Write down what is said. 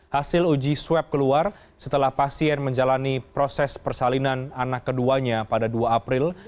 hasil uji swab keluar setelah pasien menjalani proses persalinan anak keduanya pada dua april